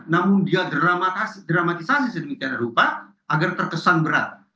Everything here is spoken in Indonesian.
namun dia dramatisasi sedemikian rupa agar terkesan berat